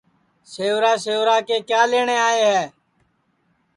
سیوا سیوا کے کیا لئیٹؔے آئے ہے